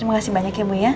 terima kasih banyak ya bu ya